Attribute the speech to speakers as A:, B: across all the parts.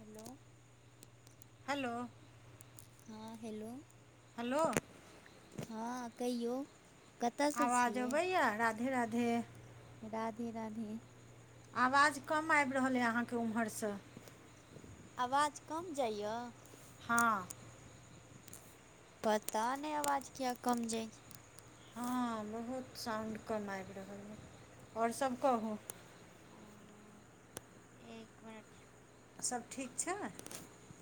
A: Hello [unintelligible]
B: hello.
A: हँ, hello.
B: Hello.
A: हँ कहियौ? कतयसँ
B: आवाज हो
A: छियै
B: भैया राधे राधे
A: राधे राधे
B: आवाज कम आबि रहल अइ अहाँके ओम्हरसँ
A: आवाज कम जाइए
B: हँ
A: पता नहि आवाज किया कम जाइ
B: हँ बहुत साउण्ड कम आबि रहल अछिइ आओर सब कहू
A: एक मिनट?
B: सब ठीक छै।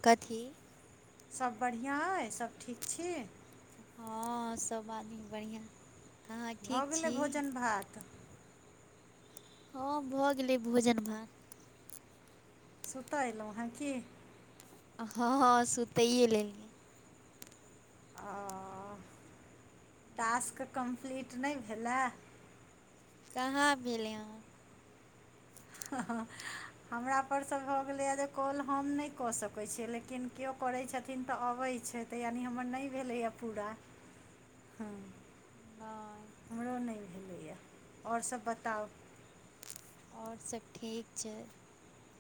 A: कथी
B: सभ बढ़िआँ अइ सभ ठीक छी।
A: हँ सभ आदमी बढ़िआँ अहाँ
B: भऽ
A: ठीक
B: गेलै
A: छी
B: भोजन भात
A: हँ भऽ' गेलै भोजन भात
B: सुतऽ 'अयलहुँ हेँ क
A: हँ हँ सुतैए लेली
B: ओ टास्क कम्प्लीट नहि भेलै [inaudible]
A: कहाँ भेलै हहाँ।
B: हमरा परसँ भऽ 'गेलै ह जे कॉल हम नहि कऽ' सकै छियै लेकिन किओ करै छथिन तऽ 'अबै छै तऽ' यानि हमर नई भेलैए पूरा।
A: [inaudible]
B: ह
A: नहि
B: हमरो नहि भेलैए आओर सभ बताउ?
A: आओर सब ठीक छै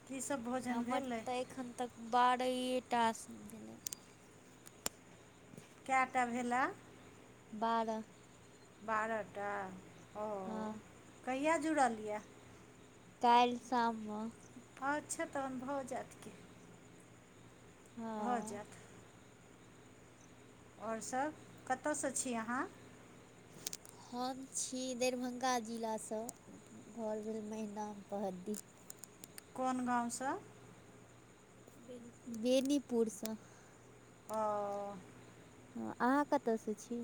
B: की सब भोजन
A: हमर
B: भेलै
A: तऽ' एखन तक बारेहेटा टास [inaudible]
B: केटा भेला
A: बारह
B: बारहटा हं
A: हँ
B: कहिआ जुड़लिये
A: काईल साम म
B: अच्छा तहन भऽ 'जायत कि
A: हँ
B: भऽ'जैत और सब कतसँ छी अहाँ।
A: हम छी देरभंगा जिलासँ। घर भेल महिनाम पहऽदी।
B: कोन गाँव सँ?
A: बेनीपुर साॅ।
B: अऽ
A: हं, अहाँ कताऽ सँ छी?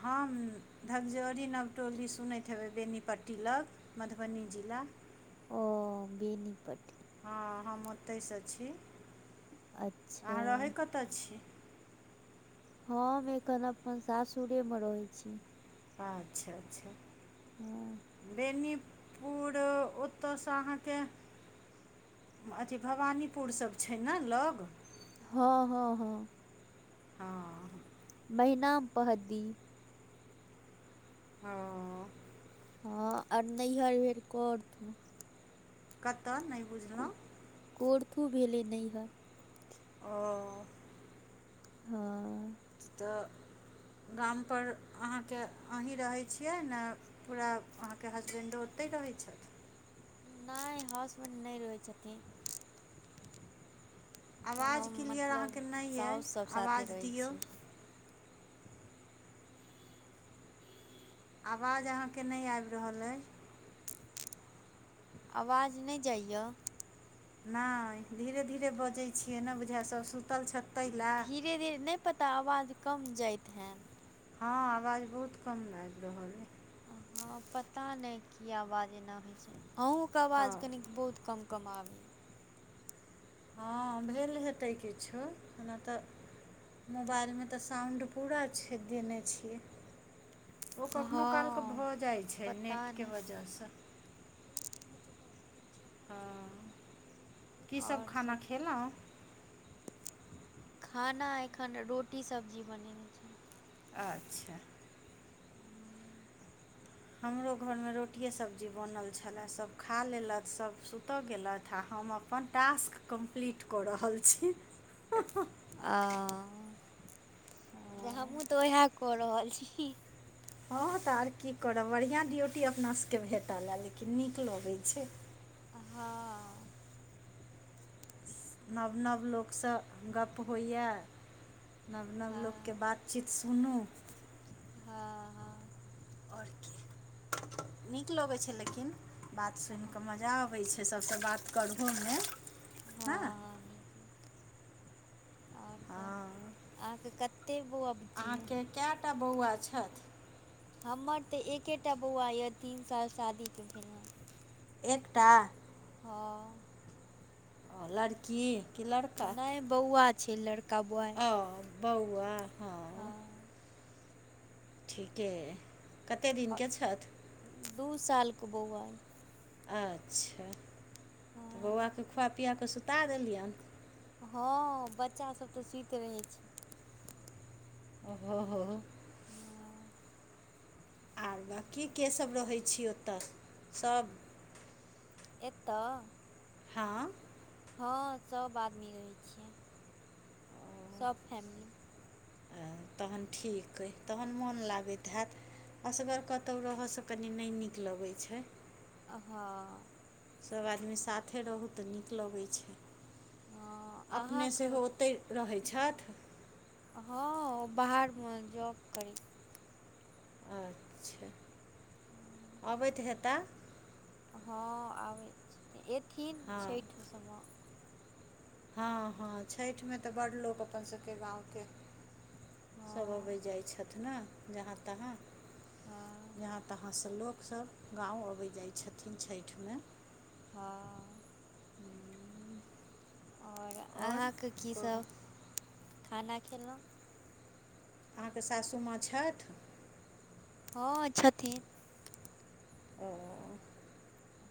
B: हम धकजरी नवटोली सुनैत हेबै बेनीपट्टी लग। मधबनी जिला।
A: ओ। बेनीपट्टी।
B: हँ हम ओतयसँ छी,
A: अच्छा
B: अहाँ रहै कतऽ छी?
A: हम एखन अपन सासुरे मे रहै छी।
B: अच्छा-अच्छा,
A: हँ
B: बेनी पूर ओतयसँ अहाँके अथी भवानीपुर सब छै न लग?
A: हँ-हँ-हँ।
B: हँ
A: मेहिनाम पहऽदी।
B: हँ।
A: हँ, आर नैहर भेल कऽरथू।
B: कताऽ? नहि बुझलौं।
A: कोरथु भेलै नैहर।
B: ओऽ।
A: हँऽ।
B: तऽ गामपर अहाँके अहीं रहै छियै न? पूरा अहाँके हसबेंडो ओतहि रहैत छथि?
A: नहि हाउसबैंड नहि रहै छथिन। तऽ
B: आवाज
A: हम
B: क्लियर अहाँके
A: मतलब
B: नहि अइ
A: साऊस सभ साथे
B: आवाज
A: रहै
B: दिऔ
A: छी।
B: आवाज अहाँके नहि आबि रहल अइ।
A: आवाज नै जाइयऽ?
B: नहि, धीरे धीरे बजै छियै न, बुझाइ यऽ सभ सुतल छैत तैलऽ?
A: धीरे धीरे, नहि पता आवाज कम जाइत हैत।
B: हँ, आवाज बहुत कम आबि रहल अइ।
A: हँ, पता नहि कीया आवाज एना होइ छै? आहूँके आवाज
B: हँ
A: कनी बहुत कम कम आबैय।
B: हँ, भेल हेतै किछो ओना तऽ मोबाइलमे तऽ साउण्ड पूरा छै, देने छियै। ओ कखनो काल क
A: हँ
B: भऽ जाइ छै
A: पता
B: नेटके
A: नहि
B: वजहसँ। हँ, की सब खाना खेलौं?
A: खाना एखन रोटी सब्जी बनेने छै।
B: अच्छा। हमरो घर मे रोटिए सब्जी बनल छलए सभ खा लेलथि सभ सुतऽ गेलथि, आ हम अपन टास्क कम्प्लीट कऽ रहल छी।
A: आऽ, जे
B: हँ
A: हमहुँ तऽ ओहैऽ कऽ रहल छी।
B: हँ तऽ आर की करब? बढ़िआँ ड्यूटी अपना सब के भेटऽ लैऽ, लेकिन नीक लगै छै।
A: हॉं।
B: नव-नव लोक सँ गप्प होइयाऽ। नव नव लोक के
A: हँ
B: बातचीत सुनू
A: हँ ह
B: ओर कि नीक लगै छै लेकिन बात
A: हँ
B: सुनिकऽ मजा अबै छै सब सब से बात करहो मे ह
A: हँ आर कह
B: हँ
A: अहाँके कते बउवा बुच्ची यै
B: कैटा बौआ छथि।
A: हमर तऽ एकेटा बौआ यऽ तीन साल शादी के भेल हन
B: एकटा
A: हँ
B: अ लड़की कि लड़का
A: नहि बौआ छै लड़का बौआ
B: ओ बौआ ह
A: हँ
B: ठीके ए कते दिन
A: आओर
B: के छथि
A: दू साल के बौआ अए
B: अच्छा तऽ बौआ के
A: हँ
B: खुआ पिआ कऽ सुता देलियैन
A: हँ बच्चा सब तऽ सुइत रहे छै
B: ओ हो हो
A: हँ
B: आर बाकी के सब रहै छी ओतऽ सोब
A: एतऽ
B: हँ
A: हँ सब आदमी रहै छियै सब फैमिली
B: तहन ठीक अए तहन मोन लागैत हैत असगर कतौ रह सँ कनि नय नीक लगै छै
A: अ हाँ
B: सब आदमी साथे रहू तऽ नीक लगै छै अपने
A: अहाँके
B: सेहो ओतै रहै छथि।
A: हँ ओ बाहर मे जॉब करै
B: अच्छा अबैत हेता
A: हँ आबै छथिन एथीन
B: हँ
A: छइठ मे
B: हँ हँ छइठ मे तऽ बड़ लोक अपन सब के गाँव के सब अबै
A: हँ
B: जाइ छथि ने जहाँ-तहाँ
A: हँ
B: जहाँ-तहाँ सँ लोक सब गाँव अबै जाइ छथिन छइठ मे
A: हँ आओर
B: आओर
A: अहाँके की
B: कहू
A: सब खाना खेलौ
B: अहाँके सासू माँ छैथ
A: ह छथिन
B: ओ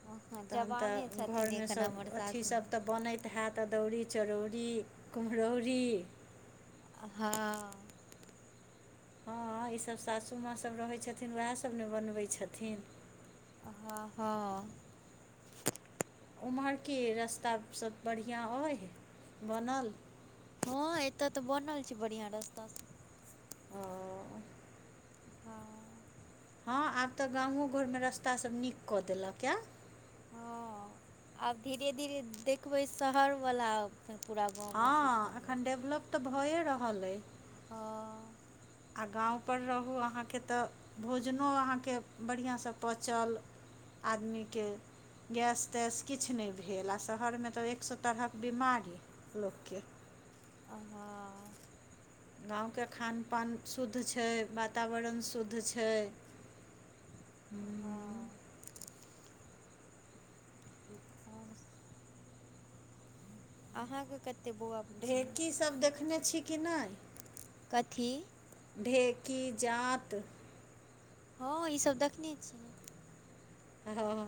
A: हँ
B: तहन
A: जवाने
B: तऽ घर
A: छथिन
B: मे
A: एक
B: सब
A: नम्बर
B: अथी सब
A: सासुमे
B: तऽ बनैत हेत अदौरी, चरौरी, कुम्हरौरी
A: हँ
B: हँ ई सब सासु माँ सब रहै छथिन वैह सब ने बनबै छथिन
A: हँ हँ
B: ओम्हर की रस्ता सब बढ़िआँ अहि बनल
A: हँ ऐत तऽ बनल छै बढ़िआँ रास्ता
B: ओ
A: हँ
B: हँ आब तऽ गामो घरमे रास्तासभ नीक कऽ देलक आए।
A: हँ आब धीरे धीरे देखबै शहर बला आओत पूरा गाँ
B: हँ
A: सिस्टम
B: एखन डेवलप तऽ भएए रहल अइ।
A: ह।
B: आ गाँवपर रहू अहाँके तऽ भोजनो अहाँके बढ़िआँसँ पचल। आदमीके। गैस तैस किछु नहि भेल आ शहरमे तऽ एक सए तरहक बिमारी लोककेँ।
A: हाँ।
B: गाँवके खान पान शुद्ध छै वातावरण शुद्ध छै। हू।
A: हँ आओर सब। अहाँके कतेक बौआ। बुच्ची अइ?
B: ढेकी सब देखने छी कि नहि।
A: कथी।
B: ढेकीजात।
A: हँ ईसभ देखने छियै।
B: हँ।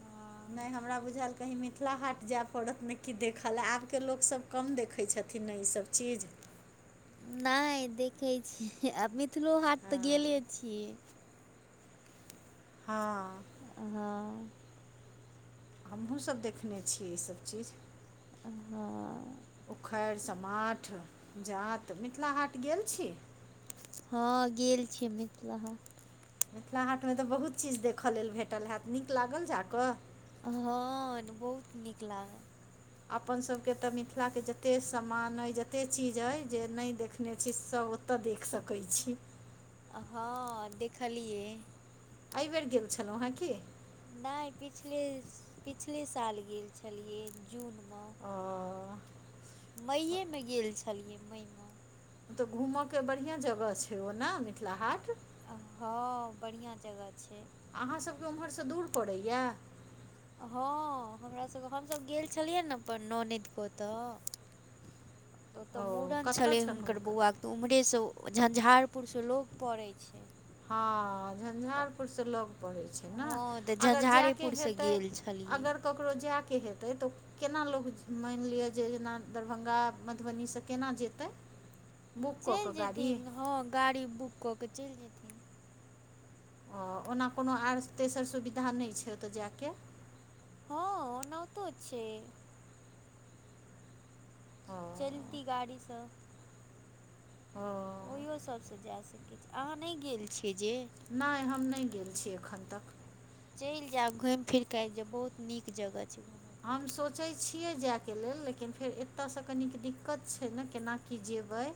A: आ।
B: नहि हमरा बुझायल कहीँ मिथिला हाट जाय पड़त ने क देखऽल आबके लोकस कम देखै छथिन ने ईस सब चीज
A: नहि देखैत छियै आ मिथिलो हाट तऽ
B: हँ
A: गेले छियै।
B: हँ।
A: हँ।
B: हमहुँसभ देखने छियै ईसभ चीज।
A: आ हँ।
B: उखड़ि समाट जात मिथिला हाट गेल छी।
A: हँ गेल छी मिथिला हाट।
B: मिथिला हाटमे तऽ बहुत चीज देखय लेल भेटल हैत नीक लागल जा कऽ।
A: हँ बहुत नीक लागल।
B: अपन सभके तऽ मिथिलाके जतेक समान अइ जतेक चीज अइ जे नहि देख ओ चीज सब ओतऽ देख सकैत छी।
A: हँ देखलियै।
B: अइबेर गेल छलहुँ हेँ की।
A: नहि पिछले पिछले साल गेल छलियै जून म।
B: ओ।
A: मईये मे गेल छलियै मई म।
B: ओ तऽ घूमऽ के बढ़िआँ जगह छैय ओ ने मिथिला हाट।
A: हँ बढ़िआँ जगह छैय।
B: अहाँ सभके ओम्हर सँ दूर पड़ैये।
A: हँ हमरा सभके हमसभ गेल छलियै ने अपन ननैद के ओतऽ। [unintelligible] ओतऽ
B: ओ
A: मूड़न
B: कतय
A: छलै
B: छनि
A: हुनकर बौआके तऽ ओम्हरे सँ झंझारपुर सँ लग पड़य छैय।
B: हँ झंझारपुर से लग पड़य छैय। हँ
A: तऽ
B: अगर जायके
A: झंझारेपुरसँ
B: हेतै
A: गेल छलियै
B: अगर ककरो जायके हेतै त केना लोक मानि लिय जे जेना दरभंगा मधुबनी सँ केना जेतै। बुक कऽ
A: चलि
B: कऽ गाड़ी
A: जेतिन हँ गाड़ी बुक कऽ के चलि जेतिन।
B: ओ ओना कोनो आओर तेसर सुविधा नै छै ओतऽ जेके।
A: हँ ओनाहुतो छै।
B: हँ।
A: चैलती गाड़ीसँ।
B: ह।
A: ओहिओ सभसँ जा सकै छी अहाँ नै गेल छियै जे।
B: नै हम नहि गेल छी एखन तक।
A: चलि जायब घुमि फिर केऽ आबि जायब बहुत नीक जगह छैय।
B: हम सोचै छियै जायके लेल लेकिन फेर एतसँ कनिक दिक्कत छै ने केना की जेबै।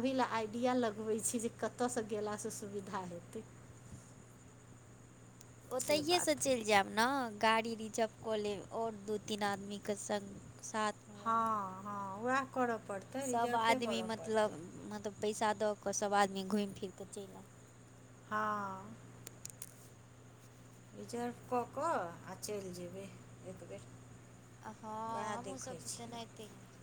B: ओही ले आइडिया लगबै छी जे कत सँ गेलासँ सुविधा हेतै। से
A: ओतहिए स
B: बात
A: चलि जायब। न गाड़ी रिजप क लेब आओर दू तीन आदमीके सङ्ग साथ।
B: हँ हँ वैह कर परतै।
A: सब आदमी मतलब मत पैसा द क सब आदमी घुमि फिर क चलि आएब।
B: हँ अं अं रिजर्व क क आ चलि जेबै एकबेर।
A: हँ हमहुं सब त तेनाहिते गेल।